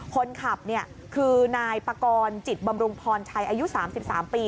คนขับคือนายปากรจิตบำรุงพรชัยอายุ๓๓ปี